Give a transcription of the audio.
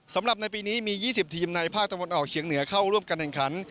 สำหรับในปีนี้มี๒๐ทีมในภาคตะวันออกเฉียงเหนือเข้าร่วมการแข่งขัน